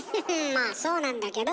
まあそうなんだけど。